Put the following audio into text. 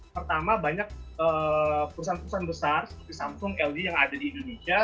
pertama banyak perusahaan perusahaan besar seperti samsung ld yang ada di indonesia